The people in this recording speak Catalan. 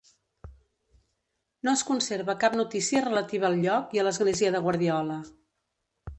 No es conserva cap notícia relativa al lloc i a l'església de Guardiola.